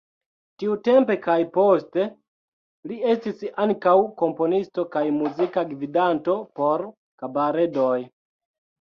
Tiutempe kaj poste li estis ankaŭ komponisto kaj muzika gvidanto por kabaredoj.